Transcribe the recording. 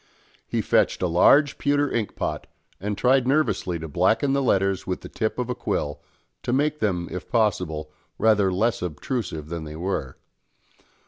He fetched a large pewter ink pot, and tried nervously to blacken the letters with the tip of a quill, to make them, if possible, rather less obtrusive than they were.